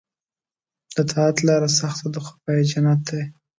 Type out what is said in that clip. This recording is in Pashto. د طاعت لاره سخته ده خو پای یې جنت دی.